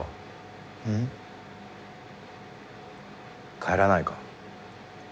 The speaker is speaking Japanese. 帰らないか？